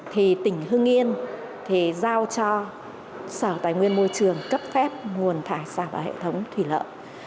thì tỉnh hưng yên thì giao cho sở tài nguyên môi trường cấp phép nguồn thải sạp vào hệ thống thủy lợi